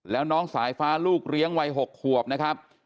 แล้วน้องสายฟ้าลูกเลี้ยงวัย๖ขวบนะครับ